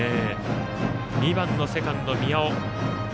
２番のセカンド、宮尾。